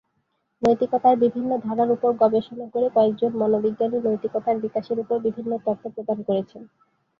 নৈতিকতার বিভিন্ন ধারার উপর গবেষণা করে কয়েকজন মনোবিজ্ঞানী নৈতিকতার বিকাশের উপর বিভিন্ন তত্ত্ব প্রদান করেছেন।